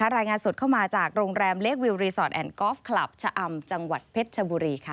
รายงานสดเข้ามาจากโรงแรมเล็กวิวรีสอร์ทแอนดกอล์ฟคลับชะอำจังหวัดเพชรชบุรีค่ะ